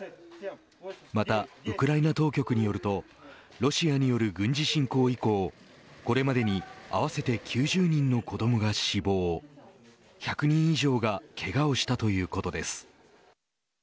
またウクライナ当局によるとロシアによる軍事侵攻以降これまでに合わせて９０人の子どもが死亡１００人以上がけがをしたということです。